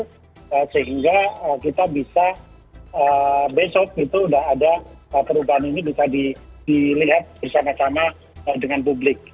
sehingga kita bisa besok itu sudah ada perubahan ini bisa dilihat bersama sama dengan publik